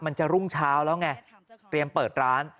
มันจะรุ่งเช้าแล้วไงเตรียมเปิดร้าน